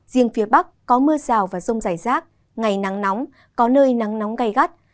riêng phía bắc có mưa rào và rông rải rác ngày nắng nóng có nơi nắng nóng gai gắt